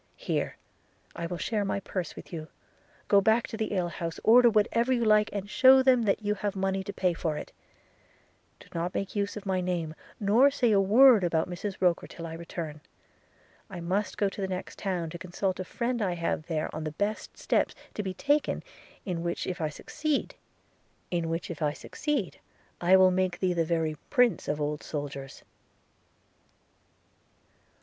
– Here, I will share my purse with you – Go back to the ale house, order whatever you like and shew them that you have money to pay for it. – Do not make use of my name, nor say a word about Mrs Roker till I return. – I must go to the next town, to consult a friend I have there on the best steps to be taken; in which if I succeed, I will make thee the very prince of old soldiers.'